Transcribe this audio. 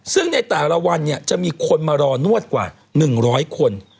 ซึ่งในแต่ละวันเนี่ยจะมีคนมารอนวดกว่า๑๐๐คน